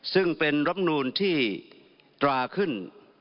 ซึ่งเป็นรำนูนที่ตราขึ้น